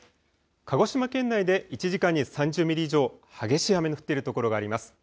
鹿児島県内で１時間に３０ミリ以上、激しい雨の降っている所があります。